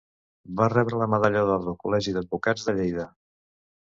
Va rebre la medalla d'or del Col·legi d'Advocats de Lleida.